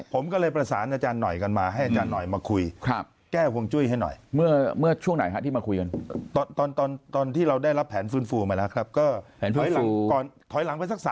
ผมก็เลยประสานอาจารย์หน่อยมาคุยกับอาจารย์